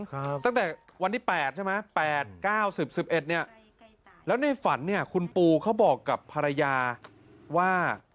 ครับตั้งแต่วันที่๘ใช่ไหม๙๑๐๑๑นี่แล้วในฝันคุณปูเขาบอกกับภรรยาว่า